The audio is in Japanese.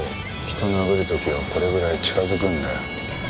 人を殴る時はこれぐらい近づくんだよ。